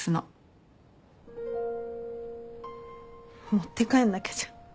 持って帰んなきゃじゃん。